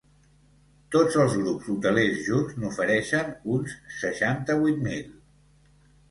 Tots els grups hotelers junts n’ofereixen uns seixanta-vuit mil.